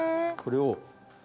これを。